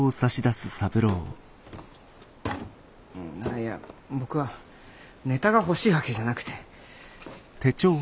いや僕はネタが欲しいわけじゃなくて。